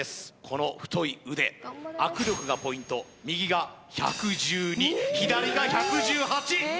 この太い腕握力がポイント右が１１２左が１１８！